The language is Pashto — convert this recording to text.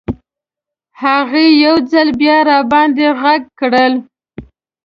هغې یو ځل بیا راباندې غږ کړل.